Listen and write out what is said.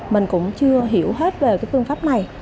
mình cũng chưa hiểu hết về phương pháp này